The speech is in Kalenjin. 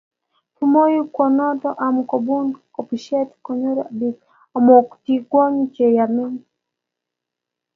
Kimwoe kounoto amu kobun kobotisiet konyoru bik amitwogik che yamei